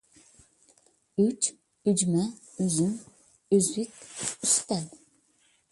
ئۈچ، ئۈجمە، ئۈزۈم، ئۈزۈك، ئۈستەل.